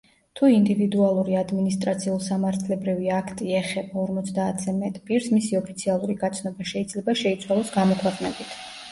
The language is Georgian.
თუ ინდივიდუალური ადმინისტრაციულ-სამართლებრივი აქტი ეხება ორმოცდაათზე მეტ პირს, მისი ოფიციალური გაცნობა შეიძლება შეიცვალოს გამოქვეყნებით.